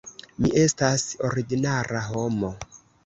Mi estas ordinara homo.